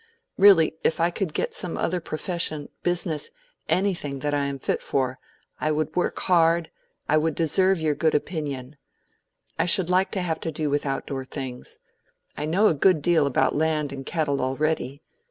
Really, if I could get some other profession, business—anything that I am at all fit for, I would work hard, I would deserve your good opinion. I should like to have to do with outdoor things. I know a good deal about land and cattle already.